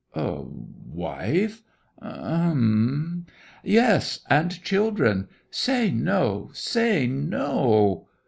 'A wife? H'm.' 'Yes, and children. Say no, say no!'